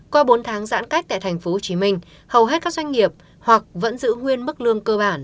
qua bốn tháng giãn cách tại tp hcm hầu hết các doanh nghiệp hoặc vẫn giữ nguyên mức lương cơ bản